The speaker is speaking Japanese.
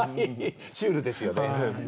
シュールですよね。